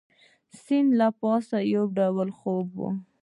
د سیند له پاسه یو ډول خوپ وو.